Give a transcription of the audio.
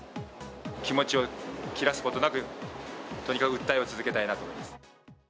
気持ちを切らすことなく、とにかく訴えを続けたいなと思います。